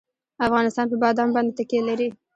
افغانستان په بادام باندې تکیه لري.